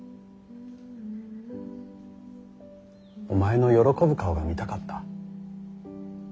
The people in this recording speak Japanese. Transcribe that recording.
お前の喜ぶ顔が見たかった。